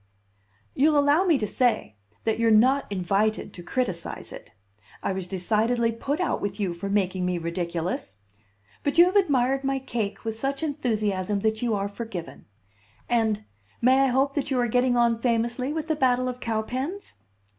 "You'll allow me to say that you're not invited to criticise it. I was decidedly put out with you for making me ridiculous. But you have admired my cake with such enthusiasm that you are forgiven. And may I hope that you are getting on famously with the battle of Cowpens?"